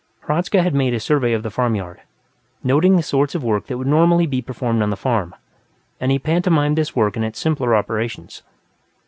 Hradzka had made a survey of the farmyard, noting the sorts of work that would normally be performed on the farm, and he pantomimed this work in its simpler operations.